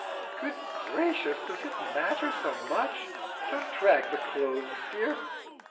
"Good gracious! does it matter so much? Don't drag the clothes, dear."